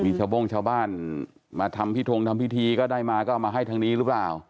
มีชาวโบ้งชาวบ้านมาทำพิทงทำพิธีก็ได้มาก็เอามาให้ทางนี้หรือเปล่า